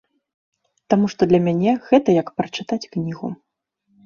Таму што для мяне гэта як прачытаць кнігу.